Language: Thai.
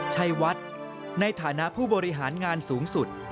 ชัยวัดในฐานะผู้บริหารงานสูงสุด